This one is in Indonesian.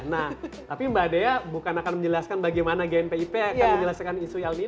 nah tapi mbak dea bukan akan menjelaskan bagaimana gnpip akan menjelaskan isu el nino